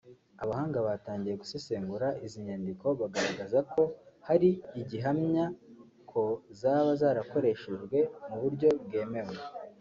Abahanga batangiye gusesengura izi nyandiko bagaragaza ko hari igihamya ko zaba zarakoreshejwe mu buryo bwemewe